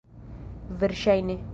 Verŝajne.